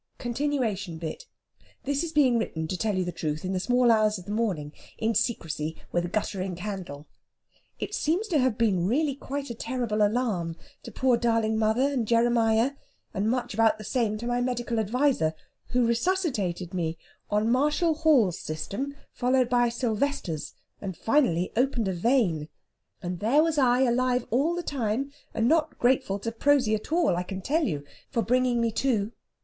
(Continuation bit.) This is being written, to tell you the truth, in the small hours of the morning, in secrecy with a guttering candle. It seems to have been really quite a terrible alarm to poor darling mother and Jeremiah, and much about the same to my medical adviser, who resuscitated me on Marshall Hall's system, followed by Silvester's, and finally opened a vein. And there was I alive all the time, and not grateful to Prosy at all, I can tell you, for bringing me to.